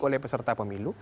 oleh peserta pemilu